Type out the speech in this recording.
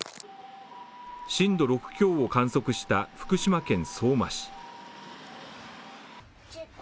震度６強を観測した福島県相馬市。